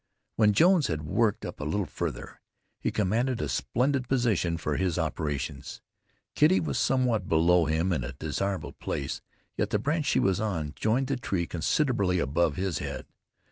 When Jones had worked up a little farther, he commanded a splendid position for his operations. Kitty was somewhat below him in a desirable place, yet the branch she was on joined the tree considerably above his head.